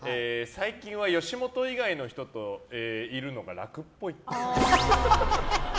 最近は吉本以外の人といるのが楽っぽい。